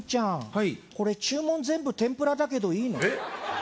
はいこれ注文全部天ぷらだけどいいの？